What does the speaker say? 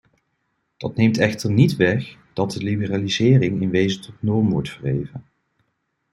Dat neemt echter niet weg dat de liberalisering in wezen tot norm wordt verheven.